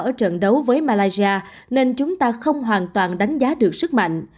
ở trận đấu với malaysia nên chúng ta không hoàn toàn đánh giá được sức mạnh